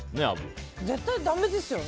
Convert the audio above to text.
絶対だめですよね。